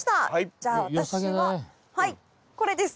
じゃあ私はこれです。